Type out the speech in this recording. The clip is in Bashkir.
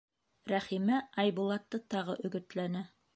Рәхимә Айбулатты тағы өгөтләне: